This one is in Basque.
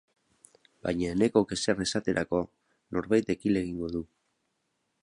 Baina Enekok ezer esaterako norbaitek hil egingo du.